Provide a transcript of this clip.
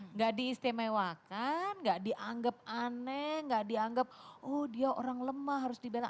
enggak diistimewakan enggak dianggap aneh enggak dianggap oh dia orang lemah harus dibela